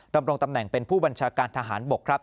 รำรงค์ตำแหน่งเป็นผู้บัญชากาลทหารบก